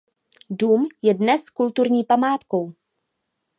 Dům je dnes kulturní památkou.